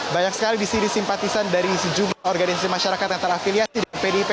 banyak sekali disini simpatisan dari sejumlah organisasi masyarakat yang terafiliasi di pdip